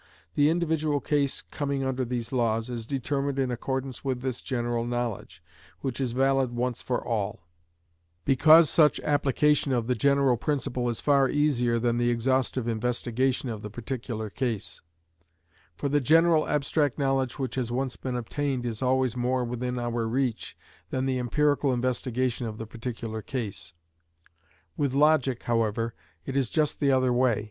The individual case coming under these laws is determined in accordance with this general knowledge, which is valid once for all; because such application of the general principle is far easier than the exhaustive investigation of the particular case; for the general abstract knowledge which has once been obtained is always more within our reach than the empirical investigation of the particular case. With logic, however, it is just the other way.